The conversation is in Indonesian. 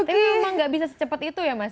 tapi memang nggak bisa secepat itu ya mas